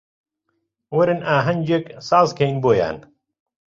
وەرن ئاهەنگێک سازکەین بۆیان